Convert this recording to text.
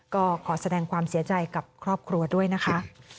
ก็ขอแสดงความเสียใจกับครอบครัวด้วยนะคะ